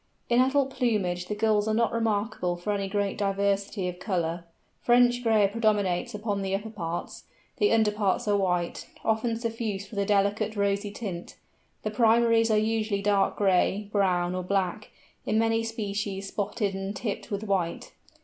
In adult plumage the Gulls are not remarkable for any great diversity of colour. French gray predominates upon the upper parts; the under parts are white, often suffused with a delicate rosy tint; the primaries are usually dark gray, brown, or black, in many species spotted and tipped with white.